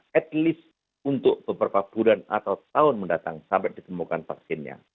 at least untuk beberapa bulan atau tahun mendatang sampai ditemukan vaksinnya